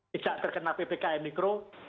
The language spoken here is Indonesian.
tidak terkena ppkm mikro